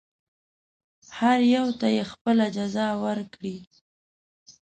هر یوه ته یې خپله جزا ورکړي.